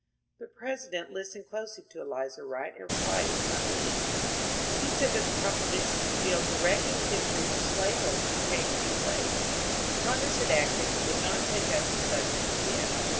The President listened closely to Elizur Wright and replied at. some length. He said that the proposition to deal directly with individual slaveholders came too late ; Congress had acted and would not take up the subject again.